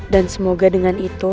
dan semoga dengan itu